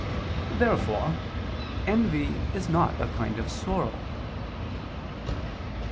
Therefore envy is not a kind of sorrow.